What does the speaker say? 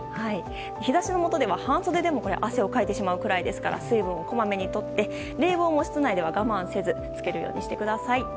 日差しの下では、半袖でも汗をかいてしまうくらいですから水分をこまめにとって冷房も室内では我慢せずにつけてください。